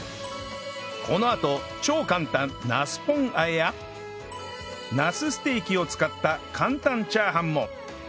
このあと超簡単なすポン和えやなすステーキを使った簡単チャーハンも！